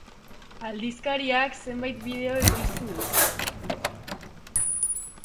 Aldizkariak zenbait bideo ekoiztu du.